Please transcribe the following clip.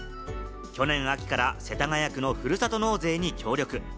去年秋から世田谷区のふるさと納税に協力。